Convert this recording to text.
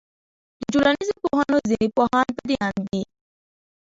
د ټولنيزو پوهنو ځيني پوهان پدې آند دي